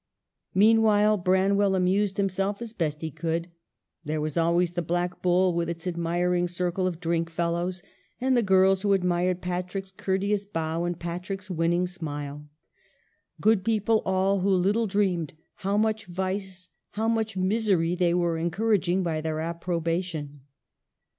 Meanwhile Branwell amused himself as best he could. There was always the " Black Bull," with its admiring circle of drink fellows, and the girls who admired Patrick's courteous bow and Patrick's winning smile. Good people all, who little dreamed how much vice, how much misery, they were encouraging by their approbation.